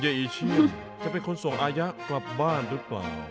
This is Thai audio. อีเชียนจะเป็นคนส่งอายะกลับบ้านหรือเปล่า